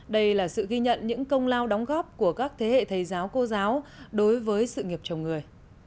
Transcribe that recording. đây là sự ghi nhận những công lao đóng góp của các thế hệ thầy giáo cô giáo đối với sự nghiệp chồng người